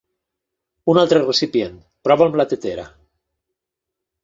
Un altre recipient! Prova amb la tetera.